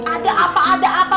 ada apa ada apa